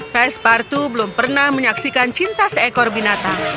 pes partu belum pernah menyaksikan cinta seekor binatang